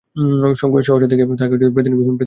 সহসা দেখিয়া তাহাকে প্রেতিনী বলিয়া বোধ হইল।